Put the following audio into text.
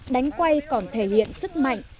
đánh quay còn thể hiện sức mạnh